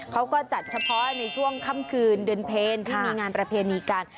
เขาก็จัดเฉพาะในช่วงค่ำคืนเดือนเพลที่มีงานประเพณีกัน